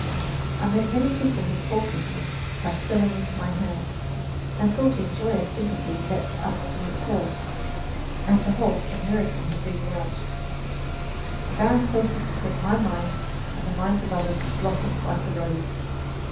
I met many people who talked with me by spelling into my hand, and thought in joyous sympathy leaped up to meet thought, and behold, a miracle had been wrought! The barren places between my mind and the minds of others blossomed like the rose.